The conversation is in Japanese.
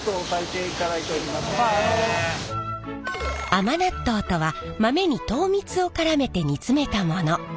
甘納豆とは豆に糖蜜をからめて煮詰めたもの。